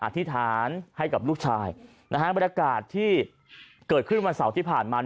อธิษฐานให้กับลูกชายบรรยากาศที่เกิดขึ้นวันเสาร์ที่ผ่านมา